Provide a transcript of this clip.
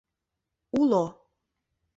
— Уло...